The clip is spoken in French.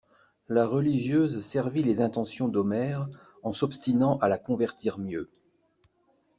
La religieuse servit les intentions d'Omer en s'obstinant à la convertir mieux.